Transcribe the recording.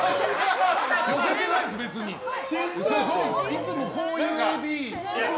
いつも、こういうＡＤ。